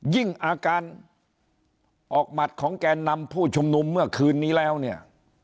อาการออกหมัดของแกนนำผู้ชุมนุมเมื่อคืนนี้แล้วเนี่ย